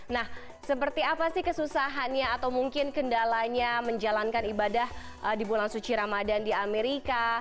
nah seperti apa sih kesusahannya atau mungkin kendalanya menjalankan ibadah di bulan suci ramadan di amerika